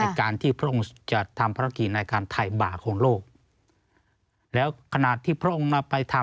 การที่พระองค์จะทำภารกิจในการถ่ายบากของโลกแล้วขณะที่พระองค์มาไปทำ